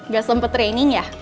gak sempet training ya